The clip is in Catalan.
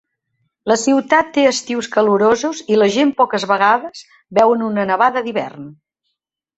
La ciutat té estius calorosos i la gent poques vegades veuen una Nevada d'hivern.